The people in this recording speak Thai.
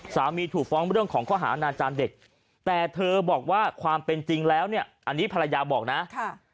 ถูกฟ้องเรื่องของข้อหาอาณาจารย์เด็กแต่เธอบอกว่าความเป็นจริงแล้วเนี่ยอันนี้ภรรยาบอกนะ